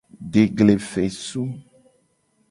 Deglefesu.